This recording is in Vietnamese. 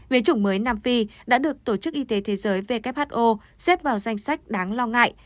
viếng mới nam phi đã được tổ chức y tế thế giới who xếp vào danh sách đáng lo ngại